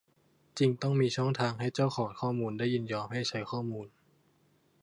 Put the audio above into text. จริงต้องมีช่องทางให้เจ้าของข้อมูลได้ยินยอมให้ใช้ข้อมูล